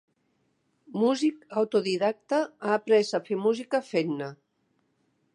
Músic autodidacte, ha après a fer música fent-ne.